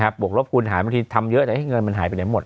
ปกลบคุณหายบางทีทำเยอะแล้วเงินมันหายไปอีกหมด